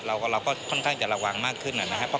เราก็ค่อนข้างจะระวังมากขึ้นนะครับ